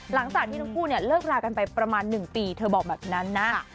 หลังจากที่ทั้งคู่เนี่ยเลิกรากันไปประมาณ๑ปีเธอบอกแบบนั้นนะ